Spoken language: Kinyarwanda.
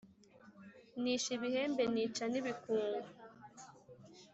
Nishe ibihembe nica n’ibikungu,